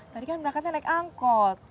tadi kan berangkatnya naik angkot